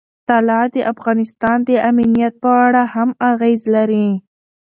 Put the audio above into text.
طلا د افغانستان د امنیت په اړه هم اغېز لري.